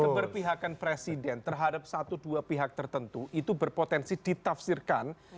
kepada pihak pihak presiden terhadap satu dua pihak tertentu itu berpotensi ditafsirkan